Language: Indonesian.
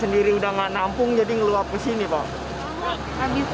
sendiri udah nggak nampung jadi ngeluap ke sini pak